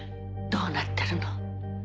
どうなってるの？